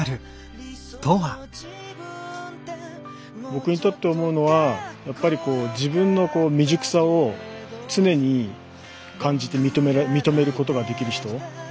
僕にとって思うのは自分の未熟さを常に感じて認める事ができる人。